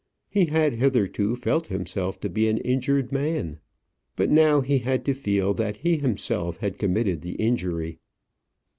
He had hitherto felt himself to be an injured man; but now he had to feel that he himself had committed the injury.